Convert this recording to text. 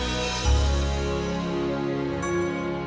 sampai jumpa lagi